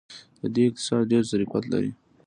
د دوی اقتصاد ډیر ظرفیت لري.